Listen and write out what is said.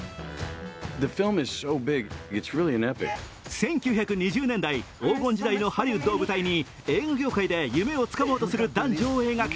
１９２０年代、黄金時代のハリウッドを舞台に映画業界で夢をつかもうとする男女を描く。